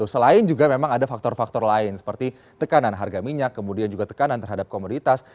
selain juga memang ada faktor faktor lain seperti tekanan harga minyak kemudian juga tekanan terhadap komoditas